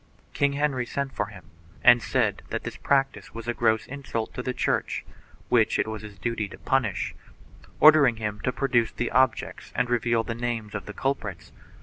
King Henry sent for him and said that this practice was a gross insult to the Church, which it was his duty to punish, ordering him to produce the objects and reveal the names of the culprits.